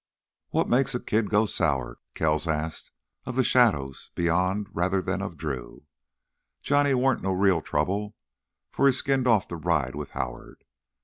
"What makes a kid go sour?" Kells asked of the shadows beyond rather than of Drew. "Johnny warn't no real trouble 'fore he skinned off to ride with Howard.